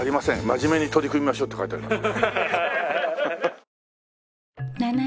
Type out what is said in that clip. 真面目に取り組みましょう」って書いてあります。